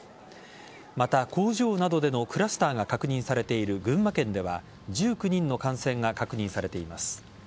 また、工場などでのクラスターが確認されている群馬県では１９人の感染が確認されています。